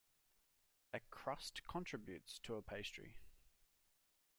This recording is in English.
A crust contributes to a pastry.